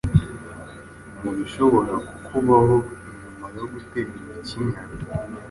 mu bishobora kukubaho nyuma yo guterwa ikinya